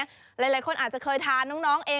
หลายคนอาจจะเคยทานน้องเอง